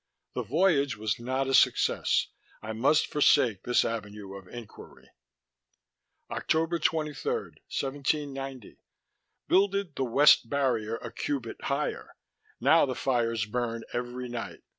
The Voyage was not a Succefs. I must forsake this avenue of Enquiry...._" "_October 23, 1790. Builded the weft Barrier a cubit higher. Now the fires burn every night.